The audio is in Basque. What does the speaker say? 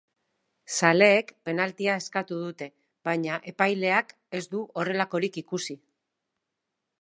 Zaleek penaltia eskatu dute, baina epaileak ez du horrelakorik ikusi.